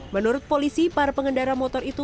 menurut polisi para pengendara motor itu